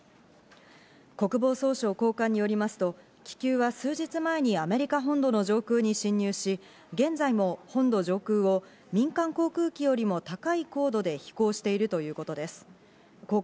国防総省高官によりますと、気球は数日前にアメリカ本土の上空に侵入し、現在も本土上空を民間航空機よりも高い高度で飛行しているということです。